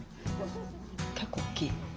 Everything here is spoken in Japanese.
結構大きい。